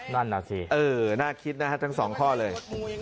นั่นน่ะสิน่าคิดนะฮะทั้งสองข้อเลย